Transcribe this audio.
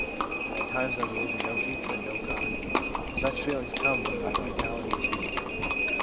At times I believe in no future and no God. Such feelings come when my vitality is weak.